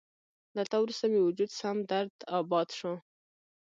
له تا وروسته مې وجود سم درداباد شو